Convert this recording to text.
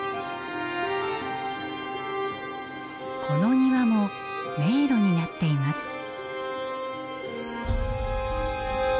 この庭も迷路になっています。